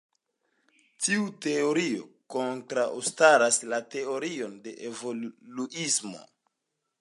Tiu teorio kontraŭstaras la teorion de evoluismo.